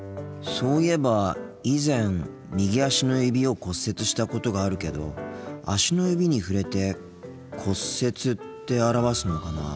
そういえば以前右足の指を骨折したことがあるけど足の指に触れて「骨折」って表すのかな。